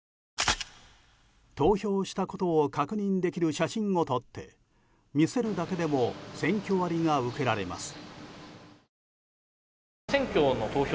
投票したことを確認できる写真を撮って見せるだけでも選挙割が受けられます。